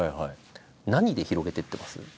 何で広げてってます？